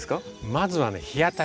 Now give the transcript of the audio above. まずはね日当り。